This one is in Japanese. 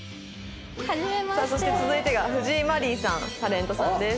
さあそして続いてが藤井マリーさんタレントさんです。